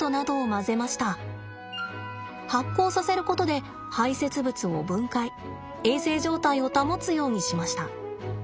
発酵させることで排せつ物を分解衛生状態を保つようにしました。